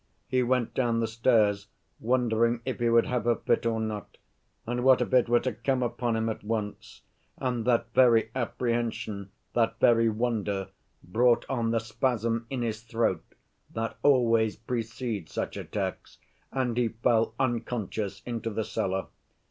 He went down the stairs wondering if he would have a fit or not, and what if it were to come upon him at once. And that very apprehension, that very wonder, brought on the spasm in his throat that always precedes such attacks, and he fell unconscious into the cellar.